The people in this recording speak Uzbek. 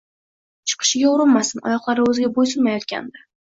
Chiqishiga urinmasin, oyoqlari o‘ziga bo‘ysunmayotgandi